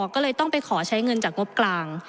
ก็เลยต้องไปขอใช้เงินจากงบกลาง